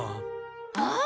ああ！